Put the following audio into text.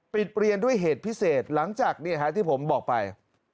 ปิดเรียนด้วยเหตุพิเศษหลังจากที่ผมบอกไป